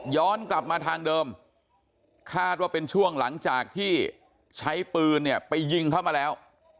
กลับมาทางเดิมคาดว่าเป็นช่วงหลังจากที่ใช้ปืนเนี่ยไปยิงเข้ามาแล้ว